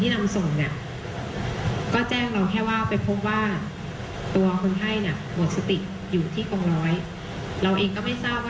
คนที่นำส่งก็แจ้งเราแค่ว่าไปพบว่า